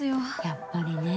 ・やっぱりね。